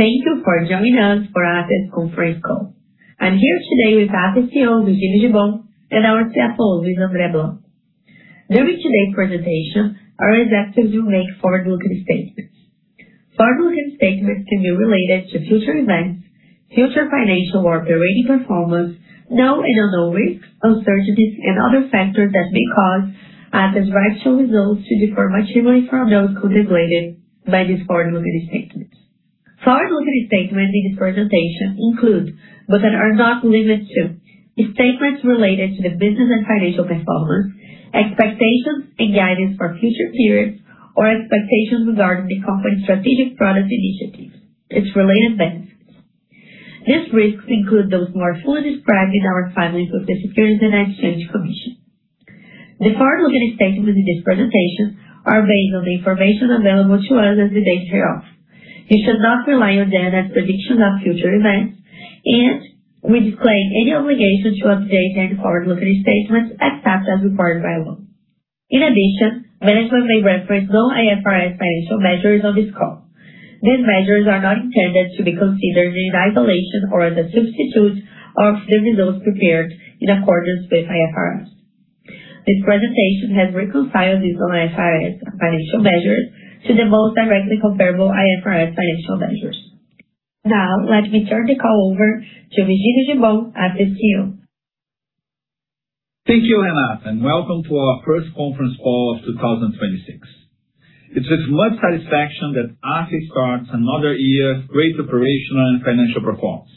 Thank you for joining us for a conference call. I'm here today with Afya CEO, Virgilio Gibbon, and our CFO, Luis Blanco. During today's presentation, our executives will make forward-looking statements. Forward-looking statements can be related to future events, future financial or operating performance, known and unknown risks, uncertainties and other factors that may cause adverse actual results to differ materially from those contemplated by these forward-looking statements. Forward-looking statements in this presentation include, but are not limited to, the statements related to the business and financial performance, expectations and guidance for future periods, or expectations regarding the company's strategic product initiatives, its related benefits. These risks include those more fully described in our filings with the Securities and Exchange Commission. The forward-looking statements in this presentation are based on the information available to us as the date hereof. You should not rely on them as predictions of future events, and we disclaim any obligation to update any forward-looking statements except as required by law. In addition, management may reference non-IFRS financial measures on this call. These measures are not intended to be considered in isolation or as a substitute of the results prepared in accordance with IFRS. This presentation has reconciled these non-IFRS financial measures to the most directly comparable IFRS financial measures. Now, let me turn the call over to Virgilio Gibbon, Afya's CEO. Thank you, Ana. Welcome to our first conference call of 2026. It is with much satisfaction that Afya starts another year of great operational and financial performance.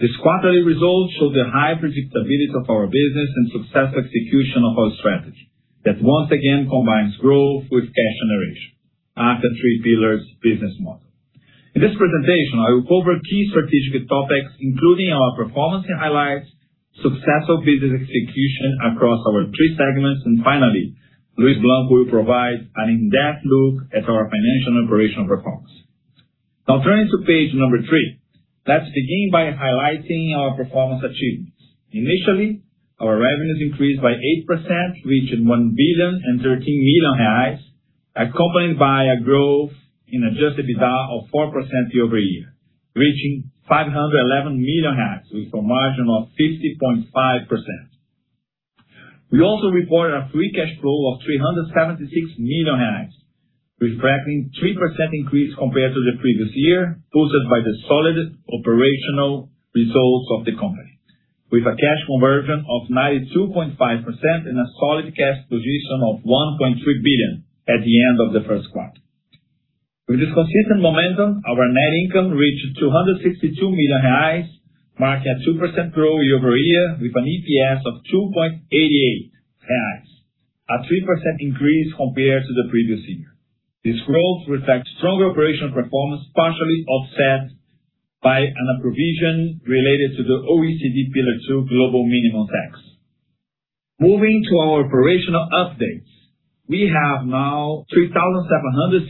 These quarterly results show the high predictability of our business and success execution of our strategy that once again combines growth with cash generation. Afya three pillars business model. In this presentation, I will cover key strategic topics, including our performance and highlights, successful business execution across our three segments. Finally, Luis Blanco will provide an in-depth look at our financial and operational performance. Now turning to page number three. Let's begin by highlighting our performance achievements. Initially, our revenues increased by 8%, reaching 1.013 billion, accompanied by a growth in adjusted EBITDA of 4% year-over-year, reaching 511 million with a margin of 50.5%. We also reported a free cash flow of 376 million reais, reflecting 3% increase compared to the previous year, boosted by the solid operational results of the company with a cash conversion of 92.5% and a solid cash position of 1.3 billion at the end of the first quarter. With this consistent momentum, our net income reached 262 million reais, marking a 2% growth year-over-year with an EPS of 2.88 reais, a 3% increase compared to the previous year. This growth reflects stronger operational performance, partially offset by an provision related to the OECD Pillar Two global minimum tax. Moving to our operational updates. We have now 3,768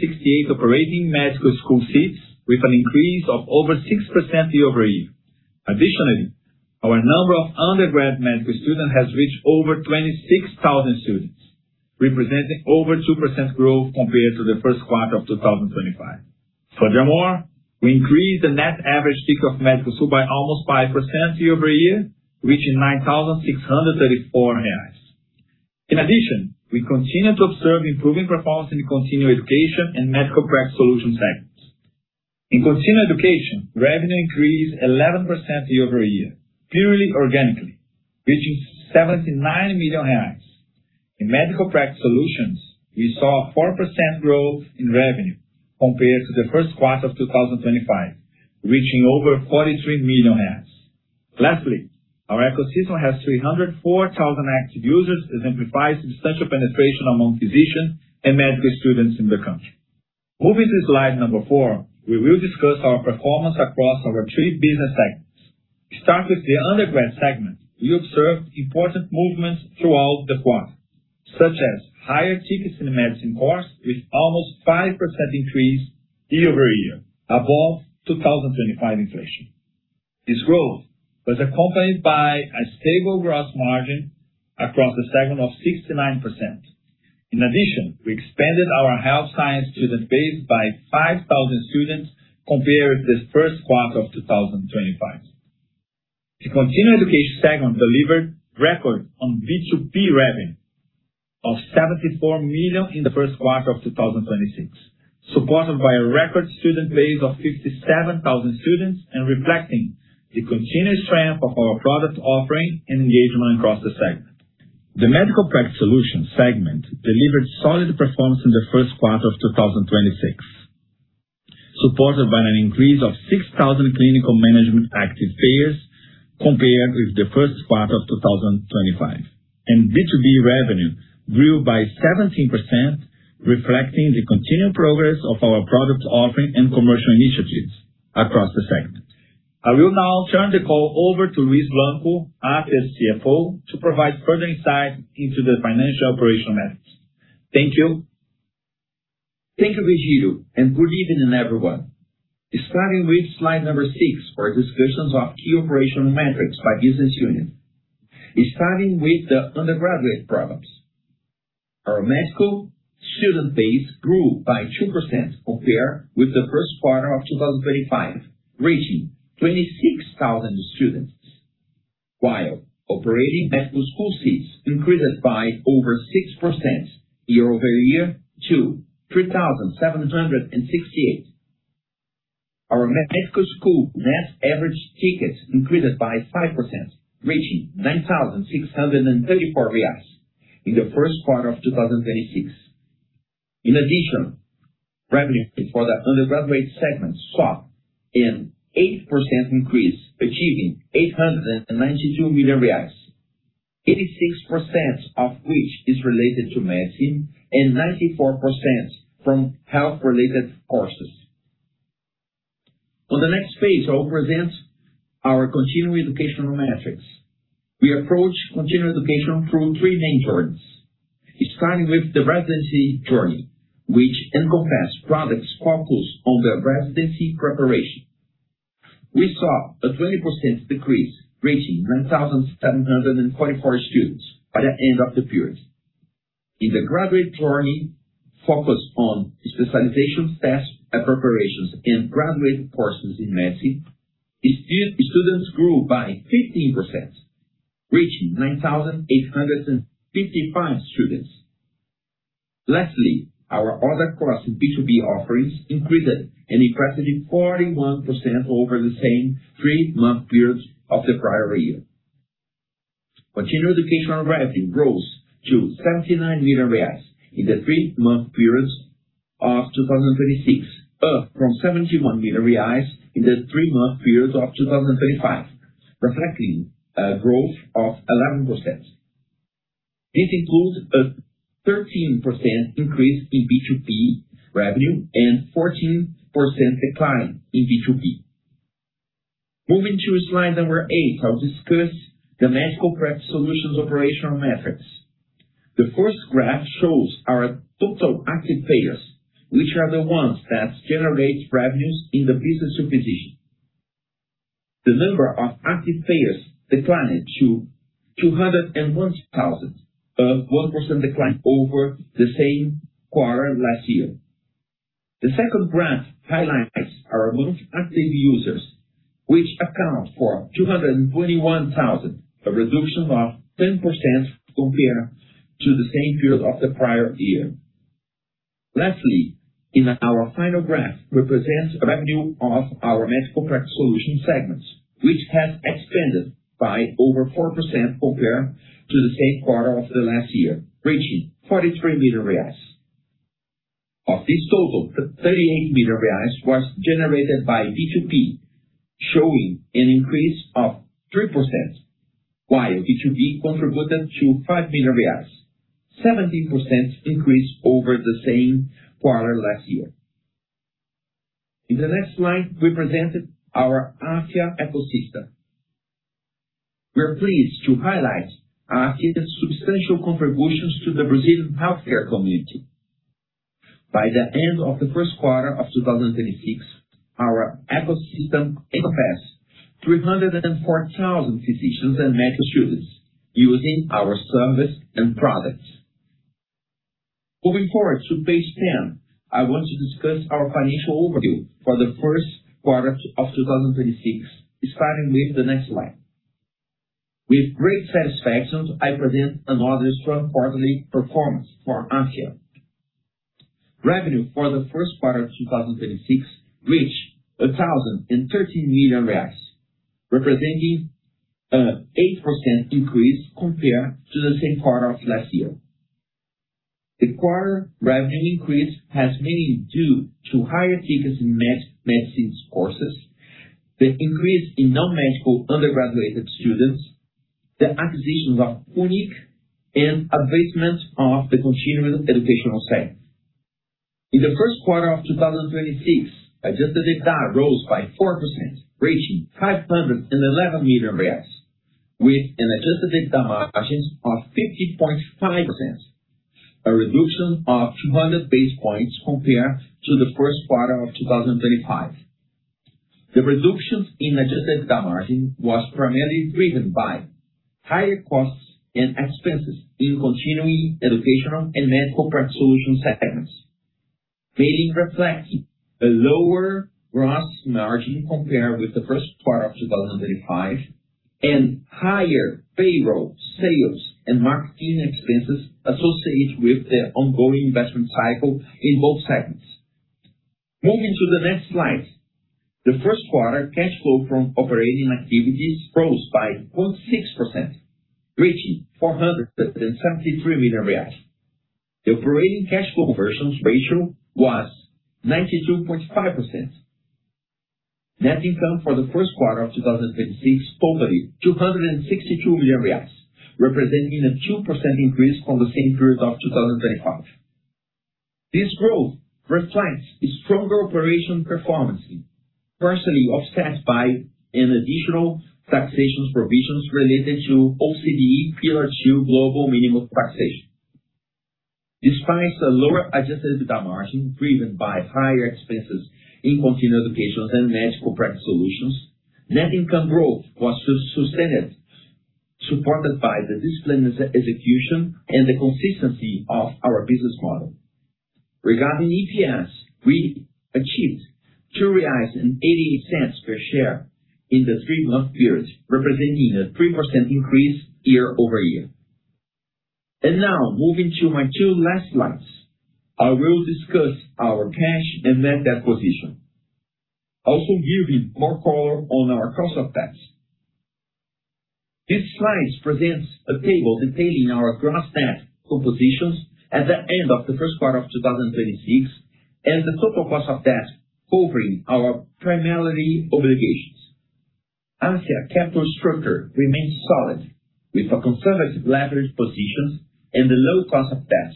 operating medical school seats with an increase of over 6% year-over-year. Our number of undergrad medical students has reached over 26,000 students, representing over 2% growth compared to the first quarter of 2025. We increased the net average ticket of medical school by almost 5% year-over-year, reaching 9,634 reais. We continue to observe improving performance in the Continuing Education and Medical Practice Solutions segments. In Continuing Education, revenue increased 11% year-over-year, purely organically, reaching 79 million reais. In Medical Practice Solutions, we saw a 4% growth in revenue compared to the first quarter of 2025, reaching over 43 million. Our ecosystem has 304,000 active users, exemplifies substantial penetration among physicians and medical students in the country. Moving to slide number four, we will discuss our performance across our three business segments. Start with the undergrad segment. We observed important movements throughout the quarter, such as higher tickets in the medicine course with almost 5% increase year-over-year above 2025 inflation. This growth was accompanied by a stable gross margin across the segment of 69%. In addition, we expanded our health science student base by 5,000 students compared to the first quarter of 2025. The Continuing Education segment delivered record on B2B revenue of 74 million in the first quarter of 2026, supported by a record student base of 57,000 students and reflecting the continued strength of our product offering and engagement across the segment. The Medical Practice Solutions segment delivered solid performance in the first quarter of 2026, supported by an increase of 6,000 clinical management active payers compared with the first quarter of 2025. B2B revenue grew by 17%, reflecting the continued progress of our product offering and commercial initiatives across the segment. I will now turn the call over to Luis Blanco, Afya's CFO, to provide further insight into the financial operational metrics. Thank you. Thank you, Virgilio, and good evening, everyone. Starting with slide number six for discussions of key operational metrics by business unit. Starting with the Undergraduate Programs. Our medical student base grew by 2% compared with the first quarter of 2025, reaching 26,000 students. While operating medical school seats increased by over 6% year-over-year to 3,768. Our medical school net average ticket increased by 5%, reaching 9,634 reais in the first quarter of 2026. Revenue for the Undergraduate segment saw an 8% increase, achieving 892 million reais. 86% of which is related to medicine and 94% from health related courses. On the next page, I'll present our Continuing Education metrics. We approach Continuing Education through three main journeys. Starting with the residency journey, which encompass products focused on the residency preparation. We saw a 20% decrease, reaching 9,744 students by the end of the period. In the graduate journey, focused on specialization tests and preparations and graduate courses in medicine, the students grew by 15%, reaching 9,855 students. Lastly, our other course B2B offerings increased an impressive 41% over the same three-month period of the prior year. Continuing Education revenue grows to 79 million reais in the three-month period of 2026, up from 71 million reais in the three-month period of 2025, reflecting a growth of 11%. This includes a 13% increase in B2B revenue and 14% decline in B2B. Moving to slide number eight, I'll discuss the Medical Practice Solutions operational metrics. The first graph shows our total active payers, which are the ones that generate revenues in the business division. The number of active payers declined to 201,000, a 1% decline over the same quarter last year. The second graph highlights our monthly active users, which account for 221,000, a reduction of 10% compared to the same period of the prior year. Lastly, in our final graph represents revenue of our Medical Practice Solutions segments, which has expanded by over 4% compared to the same quarter of the last year, reaching 43 million reais. Of this total, 38 million reais was generated by B2B, showing an increase of 3%. While B2B contributed to 5 million reais, 17% increase over the same quarter last year. In the next slide, we presented our Afya ecosystem. We're pleased to highlight Afya's substantial contributions to the Brazilian healthcare community. By the end of the first quarter of 2026, our ecosystem encompassed 304,000 physicians and medical students using our service and products. Moving forward to page 10, I want to discuss our financial overview for the first quarter of 2026, starting with the next slide. With great satisfaction, I present another strong quarterly performance for Afya. Revenue for the first quarter of 2026 reached BRL 1,013 million, representing an 8% increase compared to the same quarter of last year. The quarter revenue increase has mainly due to higher tickets in med-medicine courses, the increase in non-medical undergraduate students, the acquisitions of FUNIC and advancements of the Continuing Education segment. In the first quarter of 2026, adjusted EBITDA rose by 4%, reaching 511 million reais with an adjusted EBITDA margin of 50.5%, a reduction of 200 basis points compared to the first quarter of 2025. The reduction in adjusted EBITDA margin was primarily driven by higher costs and expenses in Continuing Education and Medical Practice Solutions segments, mainly reflecting a lower gross margin compared with the first quarter of 2025 and higher payroll, sales, and marketing expenses associated with the ongoing investment cycle in both segments. Moving to the next slide. The first quarter cash flow from operating activities rose by 0.6%, reaching 473 million reais. The operating cash flow conversion ratio was 92.5%. Net income for the first quarter of 2026 totaled 262 million reais, representing a 2% increase from the same period of 2025. This growth reflects a stronger operation performance, partially offset by an additional taxations provisions related to OECD Pillar Two global minimum taxation. Despite a lower adjusted EBITDA margin driven by higher expenses in Continuing Education and Medical Practice Solutions. Net income growth was sustained, supported by the disciplined execution and the consistency of our business model. Regarding EPS, we achieved 2.88 reais per share in the three-month period, representing a 3% increase year-over-year. Now moving to my two last slides, I will discuss our cash and net debt position, also giving more color on our cost of debt. This slide presents a table detailing our gross debt compositions at the end of the 1st quarter of 2026, and the total cost of debt covering our primary obligations. Afya capital structure remains solid, with a conservative leverage positions and the low cost of debt.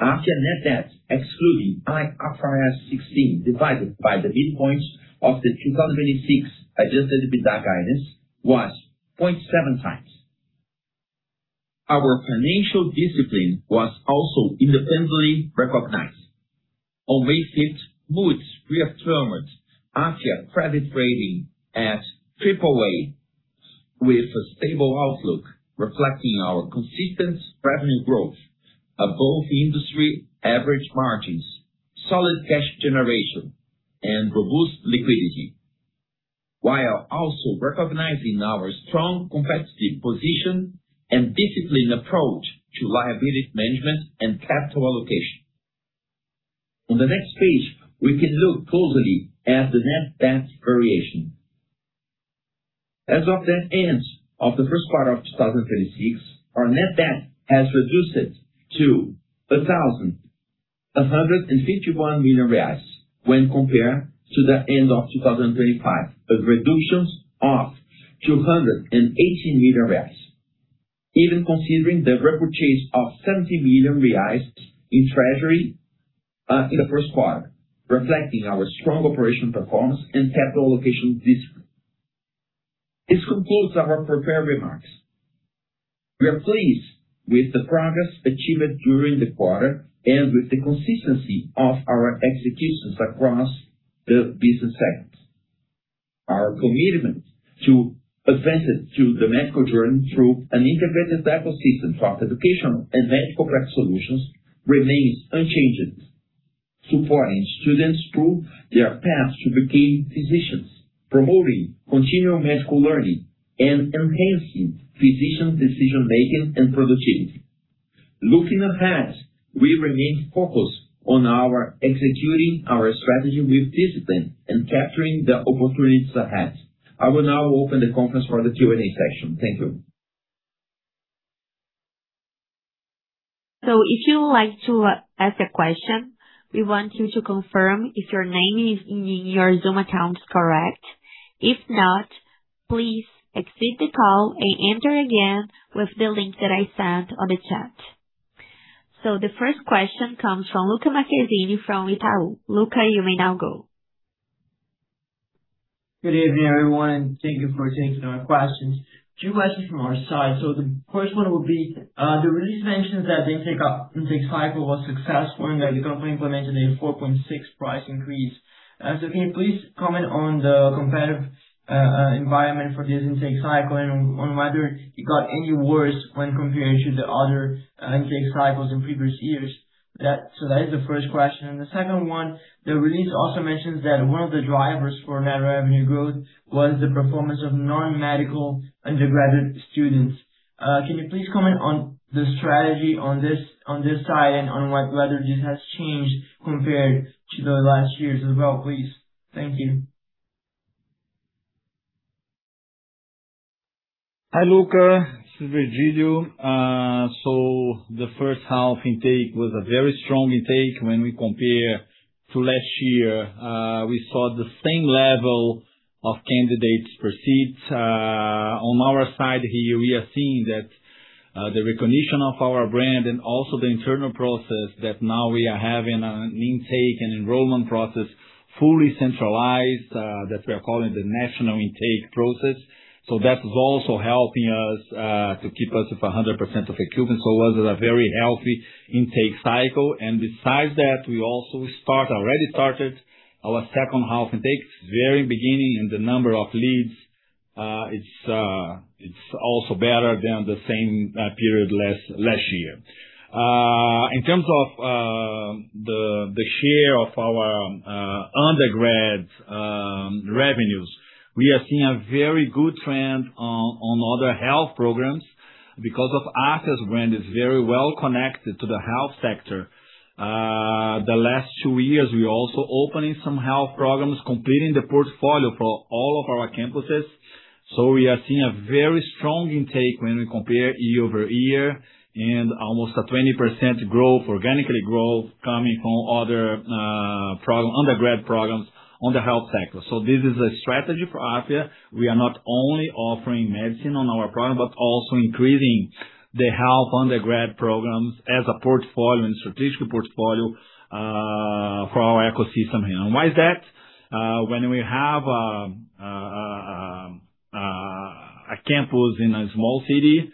Afya net debt, excluding IFRS 16 divided by the midpoint of the 2026 adjusted EBITDA guidance was 0.7x. Our financial discipline was also independently recognized. On May 6, Moody's reaffirmed Afya credit rating at Aaa with a stable outlook, reflecting our consistent revenue growth, above industry average margins, solid cash generation and robust liquidity. While also recognizing our strong competitive position and disciplined approach to liability management and capital allocation. On the next page, we can look closely at the net debt variation. As of the end of the first quarter of 2026, our net debt has reduced to 1,151 million reais when compared to the end of 2025. A reduction of 280 million reais. Even considering the repurchase of 70 million reais in treasury, in the first quarter, reflecting our strong operational performance and capital allocation discipline. This concludes our prepared remarks. We are pleased with the progress achieved during the quarter and with the consistency of our executions across the business segments. Our commitment to advancing student medical journey through an integrated ecosystem of educational and medical grade solutions remains unchanged. Supporting students through their path to became physicians, promoting continual medical learning and enhancing physician decision-making and productivity. Looking ahead, we remain focused on executing our strategy with discipline and capturing the opportunities ahead. I will now open the conference for the Q&A session. Thank you. If you would like to ask a question, we want you to confirm if your name in your Zoom account is correct. If not, please exit the call and enter again with the link that I sent on the chat. The first question comes from Lucca Generali Marquezini from Itaú. Lucca, you may now go. Good evening, everyone. Thank you for taking our questions. Two questions from our side. The first one will be, the release mentions that the intake cycle was successful and that the company implemented a 4.6 price increase. Can you please comment on the competitive environment for this intake cycle and on whether it got any worse when compared to the other intake cycles in previous years? That is the first question. The second one, the release also mentions that one of the drivers for net revenue growth was the performance of non-medical undergraduate students. Can you please comment on the strategy on this, on this side and on whether this has changed compared to the last year's as well, please? Thank you. Hi, Lucca. This is Virgilio. The first half intake was a very strong intake when we compare to last year. We saw the same level of candidates proceed. On our side here, we are seeing that the recognition of our brand and also the internal process that now we are having an intake and enrollment process fully centralized, that we are calling the National Intake Process. That is also helping us to keep us at 100% occupancy. It was a very healthy intake cycle. Besides that, we already started our second half intake. It's very beginning and the number of leads, it's also better than the same period last year. In terms of the share of our undergrads revenues, we are seeing a very good trend on other health programs because of Afya's brand is very well connected to the health sector. The last two years, we're also opening some health programs, completing the portfolio for all of our campuses. We are seeing a very strong intake when we compare year-over-year and almost a 20% growth, organically growth coming from other undergrad programs on the health sector. This is a strategy for Afya. We are not only offering medicine on our program, but also increasing the health undergrad programs as a portfolio and strategic portfolio for our ecosystem here. Why is that? A campus in a small city,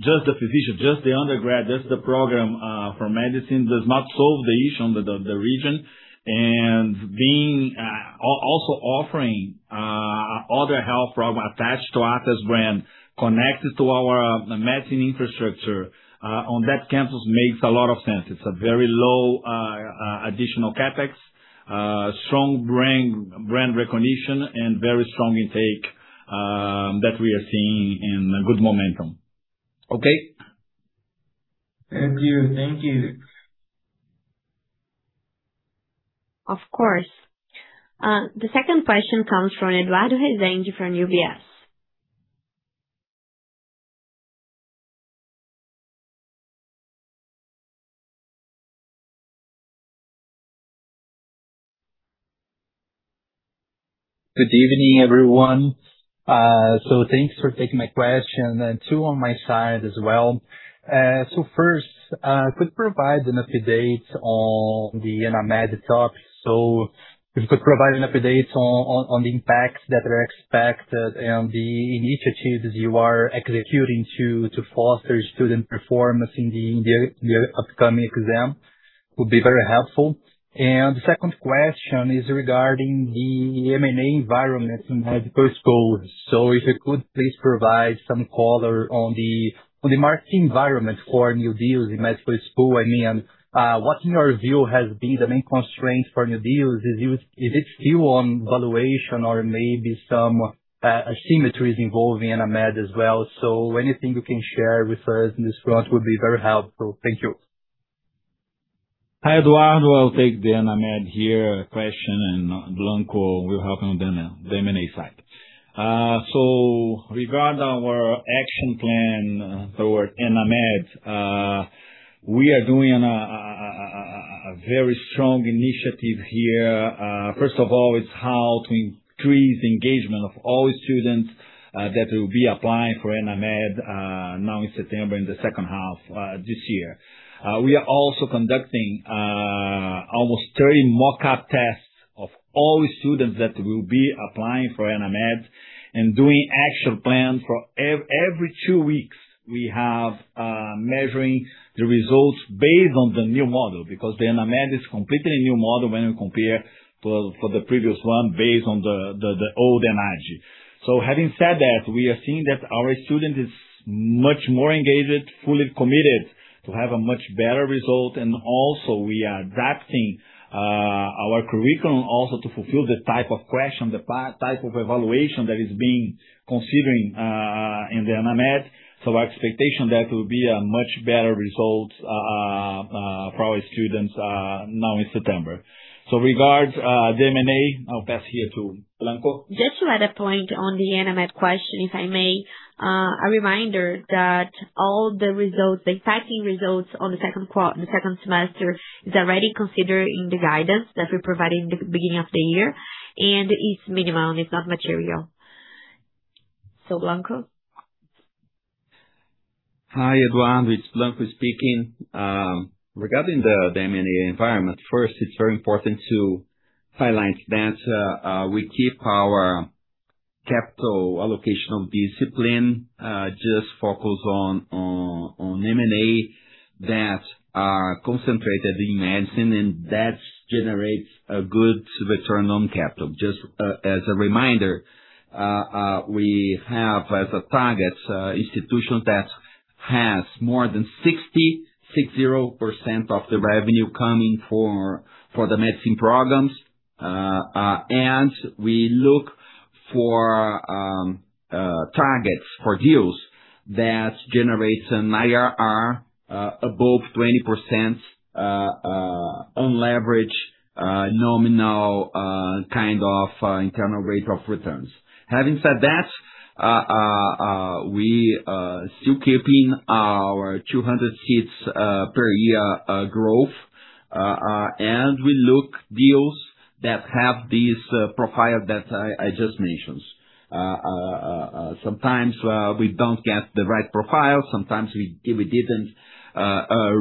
just the physician, just the undergrad, just the program, for medicine does not solve the issue on the region. Being, also offering other health problem attached to us as brand connected to our medicine infrastructure, on that campus makes a lot of sense. It's a very low, additional CapEx, strong brand recognition and very strong intake, that we are seeing and good momentum. Okay? Thank you. Thank you. Of course. The second question comes from Eduardo Resende from UBS. Good evening, everyone. Thanks for taking my question. Two on my side as well. First, could you provide an update on the Enamed talks? If you could provide an update on the impacts that are expected and the initiatives you are executing to foster student performance in the upcoming exam would be very helpful. The second question is regarding the M&A environment in medical schools. If you could please provide some color on the market environment for new deals in medical school. I mean, what in your view has been the main constraints for new deals? Is it still on valuation or maybe some asymmetries involving Enamed as well? Anything you can share with us in this front would be very helpful. Thank you. Hi, Eduardo. I'll take the Enamed here question, and Blanco will help on the M&A side. Regarding our action plan toward Enamed, we are doing a very strong initiative here. First of all, it's how to increase engagement of all students that will be applying for Enamed now in September, in the second half this year. We are also conducting almost 30 mock up tests of all students that will be applying for Enamed and doing action plan for every two weeks. We have measuring the results based on the new model because the Enamed is completely a new model when you compare for the previous one based on the old Enade. Having said that, we are seeing that our student is much more engaged, fully committed to have a much better result. Also we are drafting our curriculum also to fulfill the type of question, the type of evaluation that is being considering in the Enamed. Our expectation that will be a much better result for our students now in September. Regards the M&A, I'll pass here to Blanco. Just to add a point on the Enamed question, if I may. A reminder that all the results, the testing results on the second semester is already considered in the guidance that we provided in the beginning of the year, and it's minimal, it's not material. Blanco. Hi, Eduardo. It's Blanco speaking. Regarding the M&A environment, first it's very important to highlight that we keep our capital allocational discipline, just focused on M&A that are concentrated in medicine and that generates a good return on capital. Just as a reminder, we have as a target institutions that has more than 60% of the revenue coming for the medicine programs. We look for targets for deals that generates an IRR above 20% on leverage, nominal, kind of internal rate of returns. Having said that, we still keeping our 200 seats per year growth. We look deals that have this profile that I just mentioned. Sometimes we don't get the right profile. Sometimes we didn't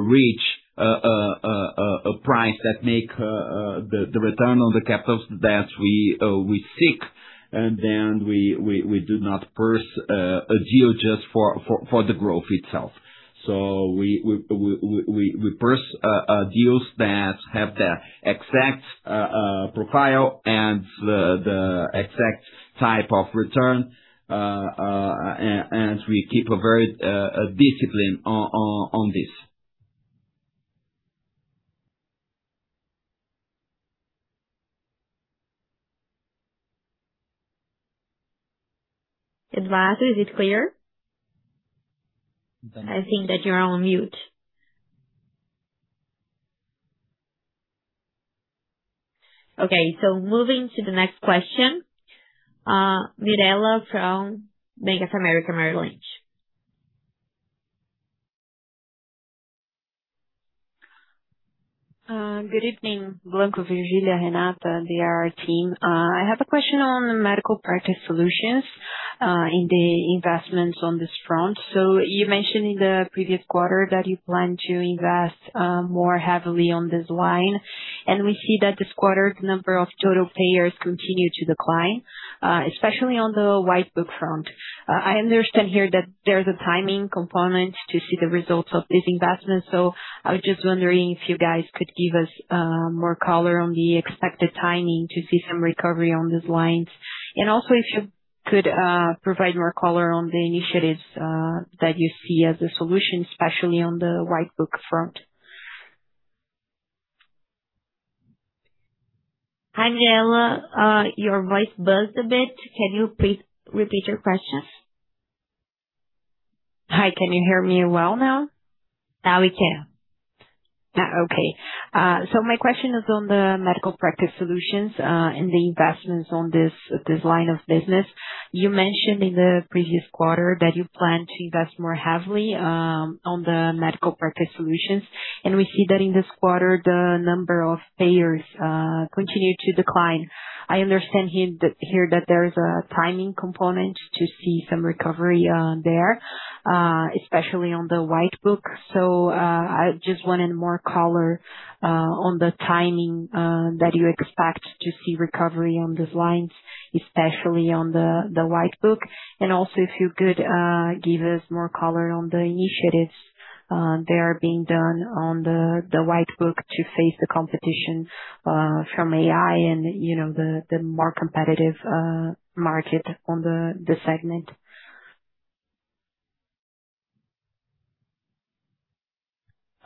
reach a price that make the return on the capital that we seek. We do not pursue a deal just for the growth itself. We pursue deals that have the exact profile and the exact type of return. We keep a very discipline on this. Eduardo, is it clear? Thank you. I think that you're on mute. Moving to the next question. Mirela from Bank of America Merrill Lynch. Good evening, Blanco, Virgilio, Renata, the IR team. I have a question on Medical Practice Solutions, in the investments on this front. You mentioned in the previous quarter that you plan to invest more heavily on this line. We see that this quarter's number of total payers continue to decline, especially on the Whitebook front. I understand here that there's a timing component to see the results of this investment, so I was just wondering if you guys could give us more color on the expected timing to see some recovery on these lines. Also if you could provide more color on the initiatives that you see as a solution, especially on the Whitebook front. Hi, Mirela. Your voice buzzed a bit. Can you please repeat your question? Hi, can you hear me well now? Now we can. Okay. My question is on the Medical Practice Solutions and the investments on this line of business. You mentioned in the previous quarter that you plan to invest more heavily on the Medical Practice Solutions. We see that in this quarter, the number of payers continue to decline. I understand that there is a timing component to see some recovery there, especially on the Whitebook. I just wanted more color on the timing that you expect to see recovery on these lines, especially on the Whitebook. Also if you could give us more color on the initiatives that are being done on the Whitebook to face the competition from AI and, you know, the more competitive market on the segment.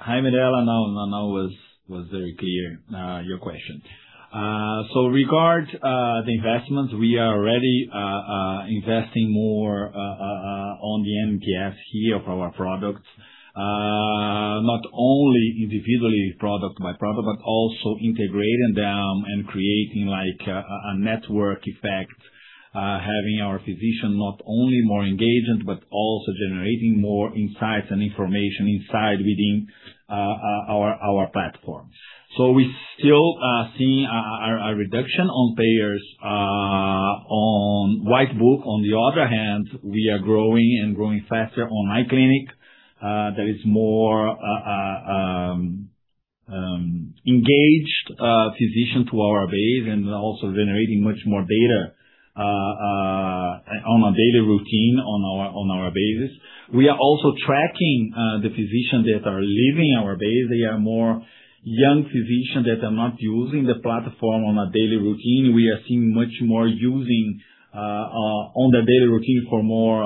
Hi, Mirela. Now was very clear, your question. Regarding the investments, we are already investing more on the MPS here for our products. Not only individually product by product, but also integrating them and creating like a network effect, having our physician not only more engaged, but also generating more insights and information inside within our platform. We still seeing a reduction on payers on Whitebook. On the other hand, we are growing and growing faster on iClinic. That is more engaged physician to our base and also generating much more data on a daily routine on our basis. We are also tracking the physicians that are leaving our base. They are more young physicians that are not using the platform on a daily routine. We are seeing much more using on their daily routine for more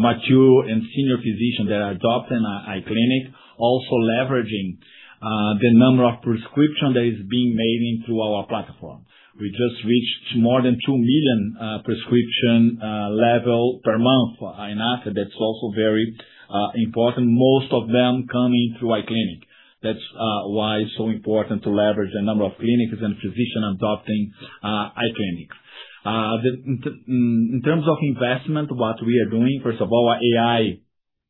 mature and senior physicians that are adopting iClinic, also leveraging the number of prescription that is being made into our platform. We just reached more than 2 million prescription level per month in Afya. That's also very important, most of them coming through iClinic. That's why it's so important to leverage the number of clinics and physicians adopting iClinic. In terms of investment, what we are doing, first of all, AI,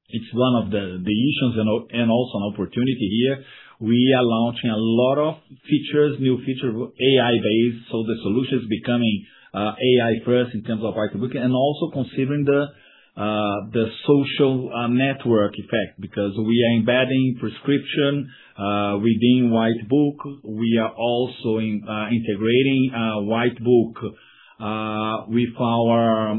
it's one of the issues and also an opportunity here. We are launching a lot of features, new features, AI based, the solution is becoming AI first in terms of Whitebook. Considering the social network effect, because we are embedding prescription within Whitebook. We are also integrating Whitebook with our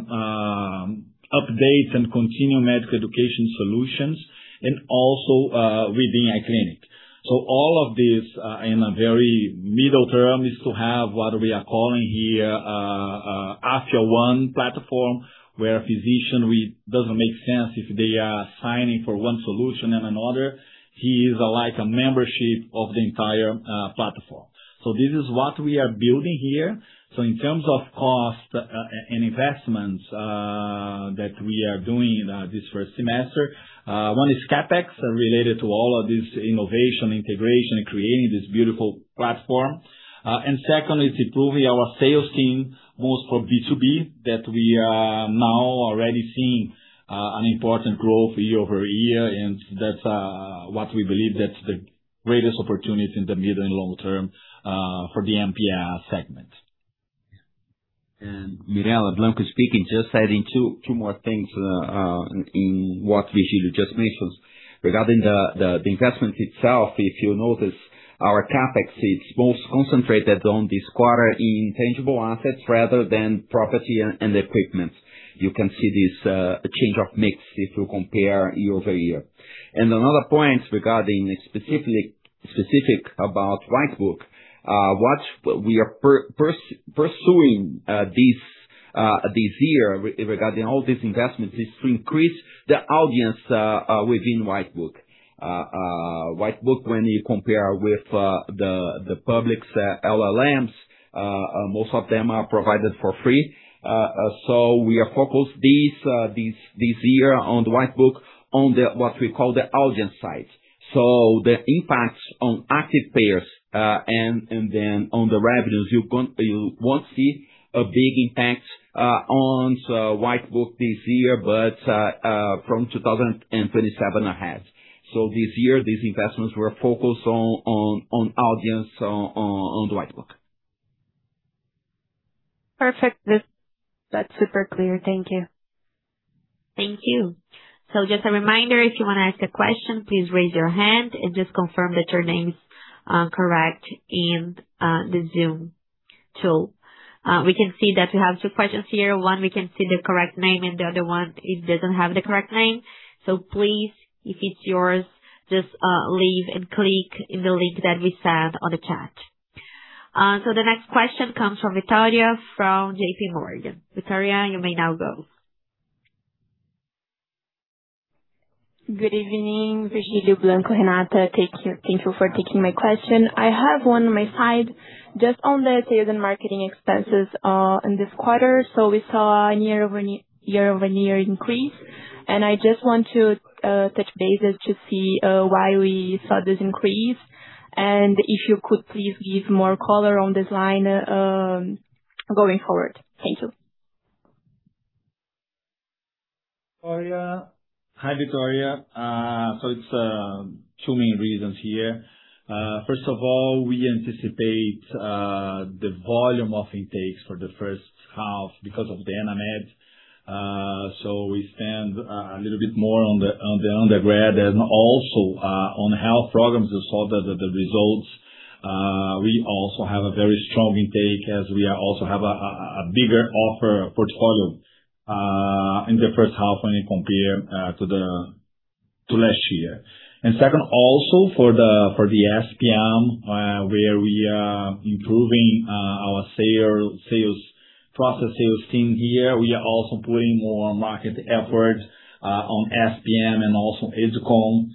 updates and continuum medical education solutions, and also within iClinic. All of this in a very middle term is to have what we are calling here Afya One platform, where a physician doesn't make sense if they are signing for one solution and another. He is like a membership of the entire platform. This is what we are building here. In terms of cost and investments that we are doing this first semester, one is CapEx related to all of this innovation, integration, creating this beautiful platform. Second is improving our sales team, most for B2B, that we are now already seeing an important growth year-over-year. That's what we believe that's the greatest opportunity in the mid and long term for the MPS segment. And Mirela, Blanco speaking, just adding two more things in what Virgilio just mentioned. Regarding the investment itself, if you notice, our CapEx is most concentrated on this quarter in intangible assets rather than property and equipment. You can see this change of mix if you compare year-over-year. Another point regarding specific about Whitebook, what we are pursuing this year regarding all these investments is to increase the audience within Whitebook. Whitebook, when you compare with the public's LLMs, most of them are provided for free. We are focused this year on Whitebook, on what we call the audience side. The impact on active payers, and then on the revenues, you won't see a big impact on Whitebook this year, but from 2027 ahead. This year, these investments were focused on audience, on Whitebook. Perfect. That's super clear. Thank you. Thank you. Just a reminder, if you want to ask a question, please raise your hand and just confirm that your name's correct in the Zoom tool. We can see that we have two questions here. One, we can see the correct name, and the other one, it doesn't have the correct name. Please, if it's yours, just leave and click in the link that we sent on the chat. The next question comes from Victoria from JP Morgan. Victoria, you may now go. Good evening, Virgilio, Blanco, Renata. Thank you for taking my question. I have one on my side just on the sales and marketing expenses, in this quarter. We saw a year-over-year increase, and I just want to touch bases to see why we saw this increase. If you could please give more color on this line, going forward. Thank you. Victoria. Hi, Victoria. It's two main reasons here. First of all, we anticipate the volume of intakes for the first half because of the Enamed. We stand a little bit more on the undergrad and also on health programs. You saw the results. We also have a very strong intake as we also have a bigger offer portfolio in the first half when you compare to last year. Second also for the SPM, where we are improving our sales processes team here. We are also putting more market effort on SPM and also EduCon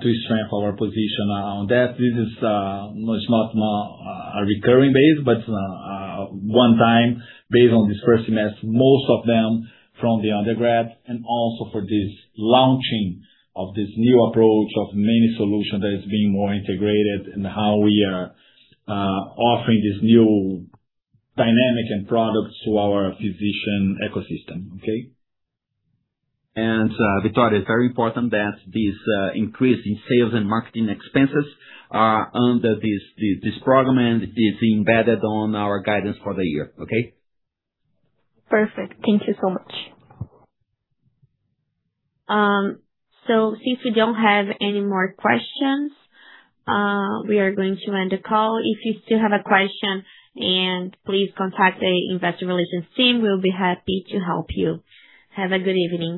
to strengthen our position on that. This is, it's not a recurring base, but one time based on this first semester, most of them from the Undergrad and also for this launching of this new approach of many solutions that is being more integrated and how we are offering this new dynamic and products to our physician ecosystem. Okay. Victoria, it's very important that this program and is embedded on our guidance for the year. Okay. Perfect. Thank you so much. Since we don't have any more questions, we are going to end the call. If you still have a question and please contact the investor relations team, we will be happy to help you. Have a good evening.